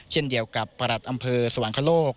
เช่นเดียวกับประหลัดอำเภอสวรรคโลก